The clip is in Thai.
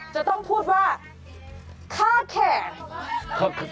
จะต้องพูดว่าค่าแขก